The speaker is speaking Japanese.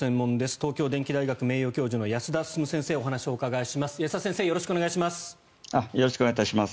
東京電機大学名誉教授の安田進先生にお話をお伺いします。